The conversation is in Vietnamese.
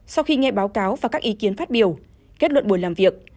sau khi nghe báo cáo và các ý kiến phát biểu kết luận buổi làm việc